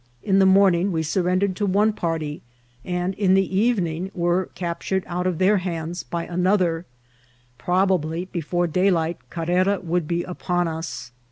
In the morning we surrendered to one party, and in the evening were captured out of their hands by another ; probably be fore daylight Carrera would be upon us.